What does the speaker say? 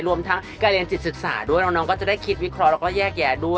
รวมทั้งการเรียนจิตศึกษาด้วยน้องก็จะได้คิดวิเคราะห์แล้วก็แยกแยะด้วย